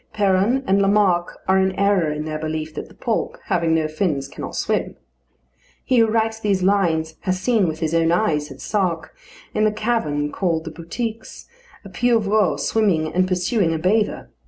Peron and Lamarck are in error in their belief that the "poulp" having no fins cannot swim. He who writes these lines has seen with his own eyes, at Sark, in the cavern called the Boutiques, a pieuvre swimming and pursuing a bather.